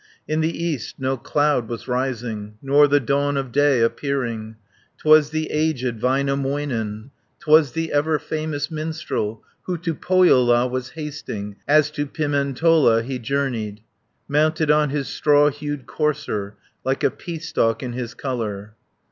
In the east no cloud was rising, Nor the dawn of day appearing. 'Twas the aged Väinämöinen, 'Twas the ever famous minstrel, 90 Who to Pohjola was hasting, As to Pimentola he journeyed, Mounted on his straw hued courser. Like a pea stalk in his colour.